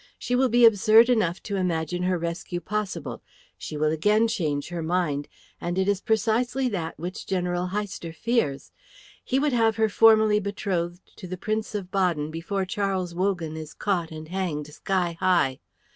She will be absurd enough to imagine her rescue possible; she will again change her mind, and it is precisely that which General Heister fears. He would have her formally betrothed to the Prince of Baden before Charles Wogan is caught and hanged sky high.